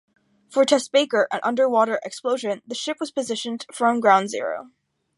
For Test Baker, an underwater explosion, the ship was positioned from ground zero.